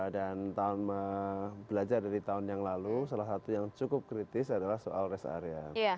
dan belajar dari tahun yang lalu salah satu yang cukup kritis adalah soal rest area